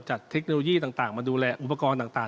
เทคโนโลยีต่างมาดูแลอุปกรณ์ต่าง